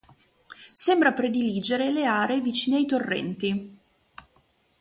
Sembra prediligere le aree vicine ai torrenti.